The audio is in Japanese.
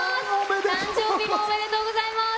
おめでとうございます！